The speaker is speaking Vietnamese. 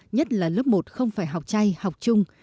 nhất là lớp một không phải học trai học trung